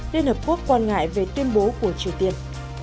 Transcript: liên hợp quốc quan ngại về tuyên bố của triều tiên